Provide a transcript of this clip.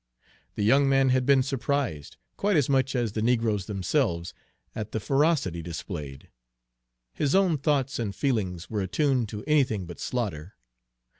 The young man had been surprised, quite as much as the negroes themselves, at the ferocity displayed. His own thoughts and feelings were attuned to anything but slaughter.